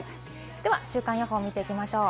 では週間予報を見ていきましょう。